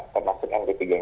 termasuk md tiga yang